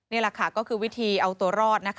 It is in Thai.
นี่แหละค่ะก็คือวิธีเอาตัวรอดนะคะ